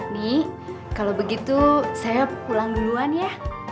nih kalau begitu saya pulang duluan ya